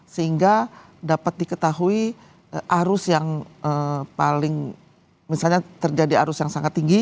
sehingga dapat diketahui arus yang paling misalnya terjadi arus yang sangat tinggi